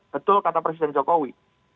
betul kata presiden jokowi